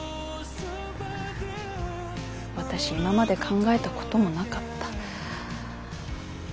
私今まで考えたこともなかった。